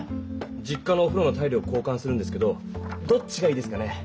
実家のおふろのタイルを交かんするんですけどどっちがいいですかね？